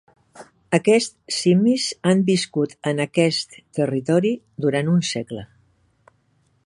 Aquests simis han viscut en aquest territori durant un segle.